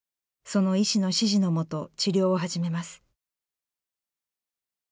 その医師の指示のもと治療を始めます。